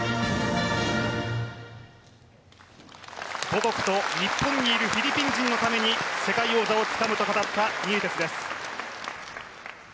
母国と日本にいるフィリピン人のために世界王座をつかむと語ったニエテスです。